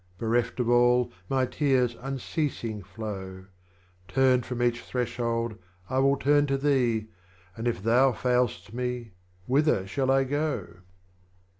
Bereft of all, my Tears unceasing flow ; Turned from each Threshold I will turn to Thee, And if Thou fail'st me, whither shall I go